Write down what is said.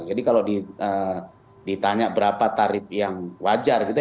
jadi kalau ditanya berapa tarif yang wajar gitu